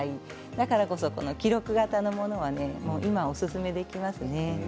だからこそこの記録型のものは今おすすめできますね。